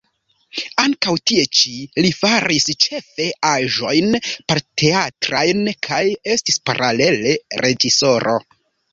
Ankaŭ tie ĉi li faris ĉefe aĵojn porteatrajn kaj estis paralele reĝisoro.